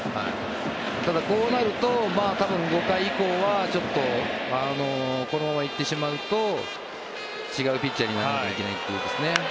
ただ、こうなると多分、５回以降はちょっとこのまま行ってしまうと違うピッチャーにならなきゃいけないという。